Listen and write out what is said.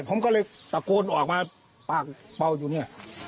ผมก็เลยตะโกนออกมาปากเป่าอยู่เนี่ย